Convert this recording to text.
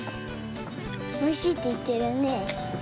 「おいしい」っていってるね。